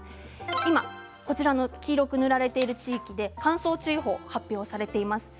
今、黄色く塗られている地域で乾燥注意報が発表されています。